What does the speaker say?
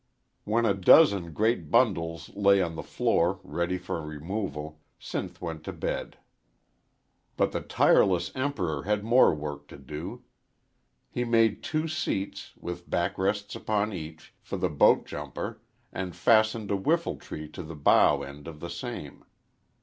When a dozen great bundles lay on the floor, ready for removal, Sinth went to bed. But the tireless Emperor had more work to do. He made two seats, with back rests upon each, for the boat jumper and fastened a whiffle tree to the bow end of the same.